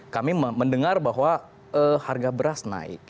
kami mendengar bahwa harga beras naik